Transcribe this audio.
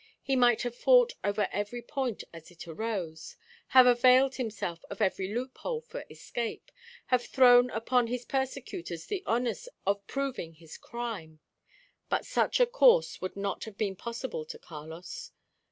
He might have fought over every point as it arose; have availed himself of every loophole for escape; have thrown upon his persecutors the onus of proving his crime. But such a course would not have been possible to Carlos.